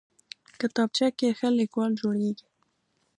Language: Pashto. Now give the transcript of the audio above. کتابچه کې ښه لیکوال جوړېږي